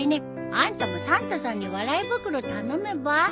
あんたもサンタさんに笑い袋頼めば？